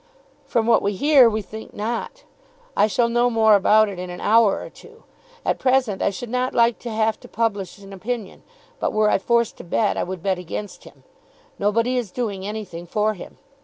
"From what we hear, we think not. I shall know more about it in an hour or two. At present I should not like to have to publish an opinion; but were I forced to bet, I would bet against him. Nobody is doing anything for him.